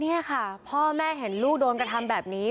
นี่ค่ะพ่อแม่เห็นลูกโดนกระทำแบบนี้